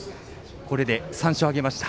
これで３勝を挙げました。